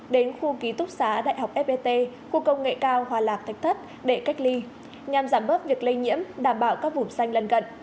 đến khu ký túc xá đại học fpt để cách ly nhằm giảm bớt việc lây nhiễm đảm bảo các vùng xanh lần gận